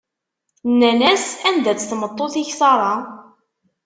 Nnan-as: Anda-tt tmeṭṭut-ik Ṣara?